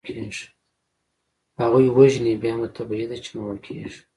هغوی وژني، بیا نو طبیعي ده چي محوه کیږي.